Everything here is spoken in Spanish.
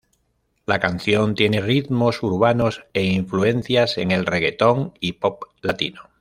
La canción tiene ritmos urbanos e influencias en el reguetón y pop latino.